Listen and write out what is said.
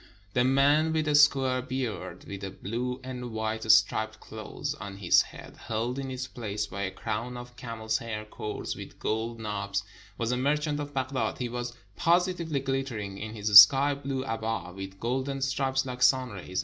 The man with a square beard, with a blue and white striped cloth on his head, held in its place by a crown of camel's hair cords with gold knobs, was a merchant of Baghdad ; he was positively ghttering in his sky blue abba with golden stripes like sun rays.